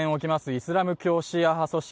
イスラム教シーア派組織